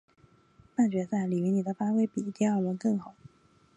半决赛李云迪的发挥比第二轮更好。